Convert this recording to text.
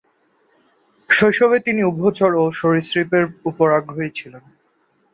শৈশবে তিনি উভচর ও সরীসৃপের উপর আগ্রহী ছিলেন।